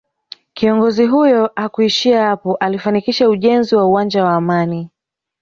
Kiongozi huyo hakuishia hapo alifanikisha ujenzi wa uwanja wa Amani